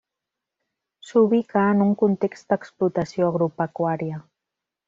S'ubica en un context d'explotació agropecuària.